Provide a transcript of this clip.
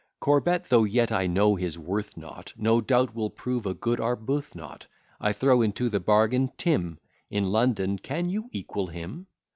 Corbet, though yet I know his worth not, No doubt, will prove a good Arbuthnot. I throw into the bargain Tim; In London can you equal him?